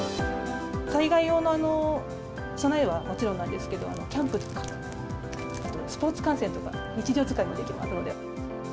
災害用の備えはもちろんなんですけれども、キャンプとか、あとスポーツ観戦とか、日常使いもできますので。